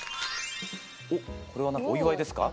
おっこれはなんかお祝いですか？